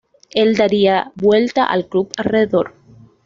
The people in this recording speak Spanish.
Él daría vuelta al club alrededor.